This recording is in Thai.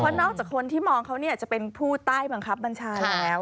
นอกจากคนที่มองเขาจะเป็นผู้ใต้บังคับบัญชาแล้ว